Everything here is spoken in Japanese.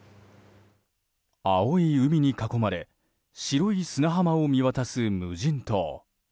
青い海に囲まれ白い砂浜を見渡す無人島。